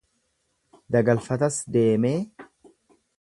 Dagalfatas deemee